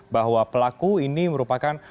bahwa pelaku ini merupakan